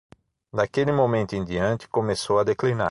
Daquele momento em diante, começou a declinar.